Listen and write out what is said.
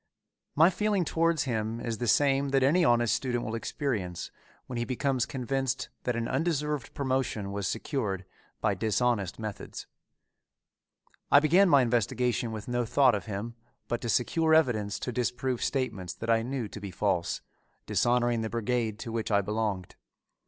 My feeling towards him is the same that any honest student will experience when he becomes convinced that an undeserved promotion was secured by dishonest methods. I began my investigation with no thought of him but to secure evidence to disprove statements that I knew to be false, dishonoring the brigade to which I belonged.